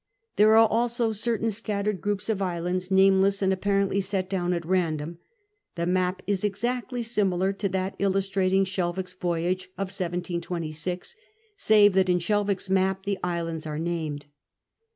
There arc also certain scattered groups of islands nameless, and apparently set down at random. The map is exactly similar to that illustrating Shelvocke's voyage (1726), save that in Shelvocke^s map the islands are named.